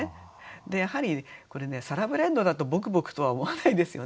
やはりこれねサラブレッドだと「ぼくぼく」とは思わないですよね。